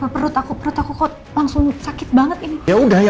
apalagi usaha usaha online itu sekarang lagi bagus dan sangat marah